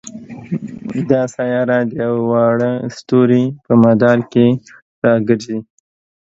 دا سیاره د یوه واړه ستوري په مدار کې را ګرځي.